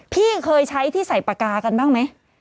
พี่เคยใช้ที่ใส่ปากกากันบ้างไหม